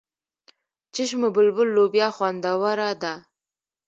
چشم بلبل لوبیا خوندوره ده.